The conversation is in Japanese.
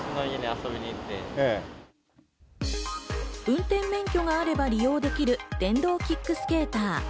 運転免許があれば利用できる電動キックスケーター。